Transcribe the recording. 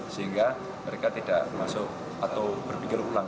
sehingga mereka tidak masuk atau berpikir ulang